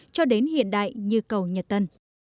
cho đến hiện đại như cầu nhật tân